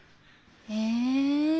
へえ。